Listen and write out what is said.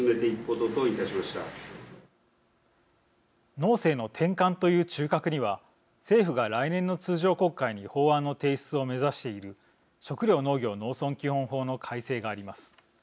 農政の転換という中核には政府が来年の通常国会に法案の提出を目指している食料・農業・農村基本法の改正があります。